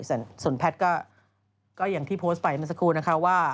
ส่วนแพทย์ก็อย่างที่โพสต์ไปเมื่อสักครู่นะคะว่า